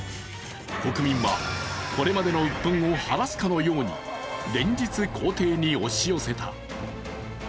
国民はこれまでのうっぷんを晴らすかのように連日、公邸に押し寄せた。